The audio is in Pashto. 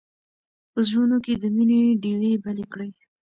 په زړونو کې د مینې ډېوې بلې کړئ.